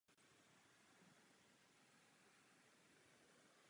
Deformace materiálu kolejnice nebo železničního kola dvojkolí jako následek je nežádoucí.